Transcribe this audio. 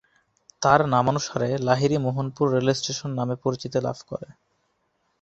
তার নামানুসারে লাহিড়ী মোহনপুর রেলস্টেশন নামে পরিচিতি লাভ করে।